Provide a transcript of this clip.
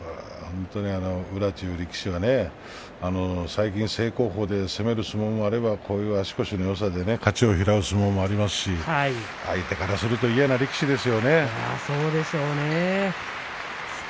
本当に宇良という力士は最近、正攻法で攻める相撲もあればこういう足腰のよさで勝ち星を拾う相撲もあるし相手力士からすると嫌な力士です。